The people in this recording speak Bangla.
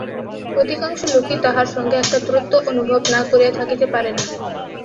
অধিকাংশ লোকই তাহার সঙ্গে একটা দূরত্ব অনুভব না করিয়া থাকিতে পারে না।